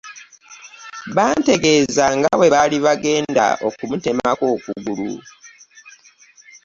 Bantegeeza nga bwe baali bagenda okumutemako okugulu.